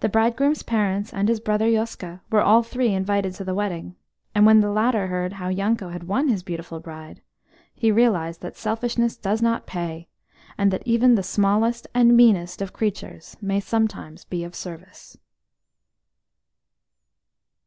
The bridegroom's parents, and his brother Yoska, were all three invited to the wedding; and when the latter heard how Yanko had won his beautiful bride, he realised that selfishness does not pay, and that even the smallest and meanest of creatures may sometimes be of service.